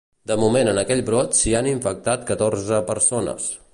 De moment en aquell brot s’hi han infectat catorze persones.